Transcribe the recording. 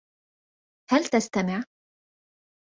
هل تستمع ؟